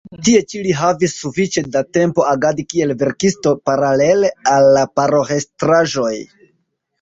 Tie ĉi li havis sufiĉe da tempo agadi kiel verkisto paralele al la paroĥestraĵoj.